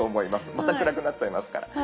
また暗くなっちゃいますから。